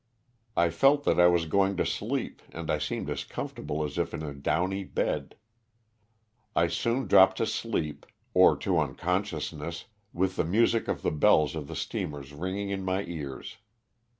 I felt that I was going to sleep and I seemed as comfortable as if in a downy bed. I soon dropped to sleep, or to uncon sciousness, with the music of the bells of the steamers ringing in my ears.